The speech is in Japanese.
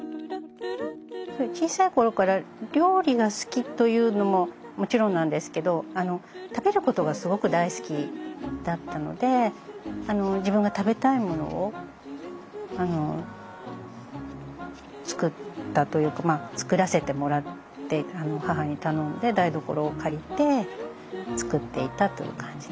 小さい頃から料理が好きというのももちろんなんですけど食べることがすごく大好きだったので自分が食べたいものを作ったというか作らせてもらって母に頼んで台所を借りて作っていたという感じですね。